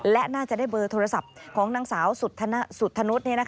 และน่าจะได้เบอร์โทรศัพท์ของนางสาวสุธนุษย์